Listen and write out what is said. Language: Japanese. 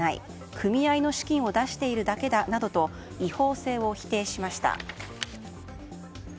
組合の資金を出しているだけだなどと違法性を否定しました。